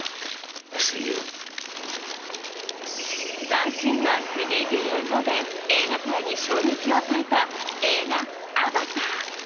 斬新な３Ｄ映像で、映画界に衝撃を与えた映画「アバター」。